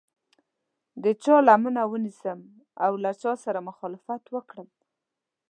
د چا لمنه ونیسم او له چا سره مخالفت وکړم.